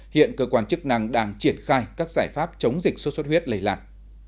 hiện cơ quan chức năng đang triển khai các giải pháp chống dịch suốt suốt huyết lây lạc